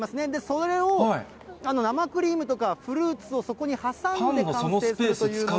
それを生クリームとかフルーツをそこに挟んで完成させるという。